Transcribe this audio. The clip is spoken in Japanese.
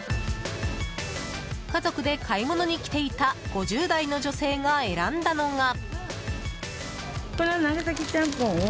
家族で買い物に来ていた５０代の女性が選んだのが。